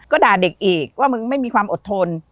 ก็ด่าเด็กอีกว่ามึงไม่มีความอดทน